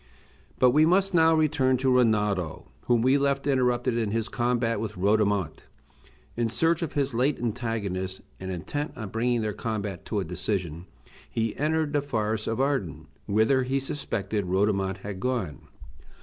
But we must now return to Rinaldo, whom we left interrupted in his combat with Rodomont. In search of his late antagonist and intent on bringing their combat to a decision he entered the forest of Arden, whither he suspected Rodomont had gone.